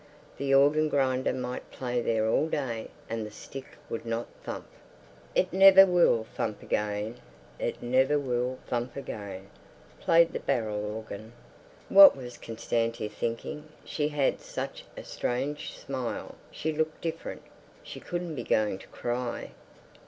The organ grinder might play there all day and the stick would not thump. It never will thump again, It never will thump again, played the barrel organ. What was Constantia thinking? She had such a strange smile; she looked different. She couldn't be going to cry.